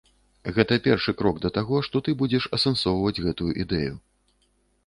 Гэта першы крок да таго, што ты будзеш асэнсоўваць гэтую ідэю.